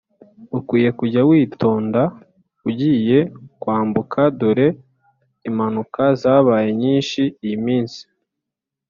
Ukwiye kujya witonda ugiye kwambuka dore impanuka zabaye nyinshi iyi minsi